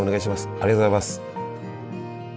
ありがとうございます。